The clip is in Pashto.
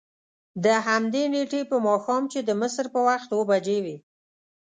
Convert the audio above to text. دهمدې نېټې په ماښام چې د مصر په وخت اوه بجې وې.